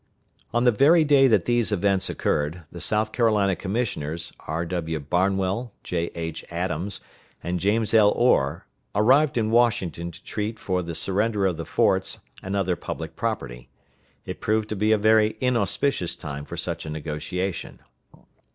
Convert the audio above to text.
On the very day that these events occurred, the South Carolina commissioners, R.W. Barnwell, J.H. Adams, and James L. Orr, arrived in Washington to treat for the surrender of the forts and other public property. It proved to be a very inauspicious time for such a negotiation.